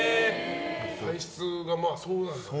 体質がそうなんだね。